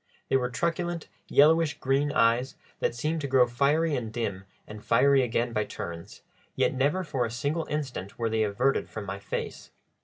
They were truculent, yellowish green eyes, that seemed to grow fiery and dim and fiery again by turns, yet never for a single instant were they averted from my face.